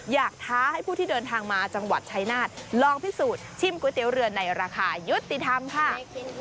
ท้าให้ผู้ที่เดินทางมาจังหวัดชายนาฏลองพิสูจน์ชิมก๋วยเตี๋ยวเรือในราคายุติธรรมค่ะ